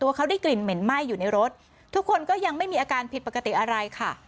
ว่าเขาได้กลิ่นเหม็นไหม้อยู่ในรถทุกคนก็ยังไม่มีอาการผิดปกติอะไรค่ะ